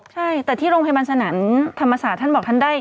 ใช่แต่ที่โรงพยาบาลสนันธรรมศาสตร์ท่านบอกท่านได้